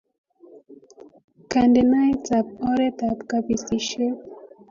kandenaet ap oretap kapisishet